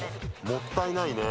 もったいないね。